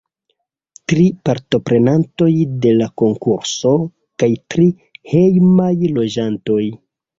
Tri partoprenantoj de la konkurso kaj tri hejmaj loĝantoj.